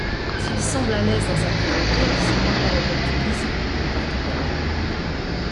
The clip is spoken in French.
S'il semble à l'aise dans sa pauvreté, c'est moins par opportunisme que par tempérament.